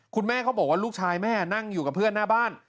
เขาบอกว่าลูกชายแม่นั่งอยู่กับเพื่อนหน้าบ้าน